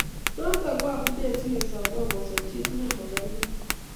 Noto ko amune sikesomok ocham chi tugul ko kargei